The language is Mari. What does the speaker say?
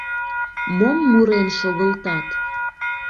Мом мурен шогылтат?